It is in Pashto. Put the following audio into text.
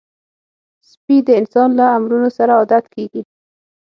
سپي د انسان له امرونو سره عادت کېږي.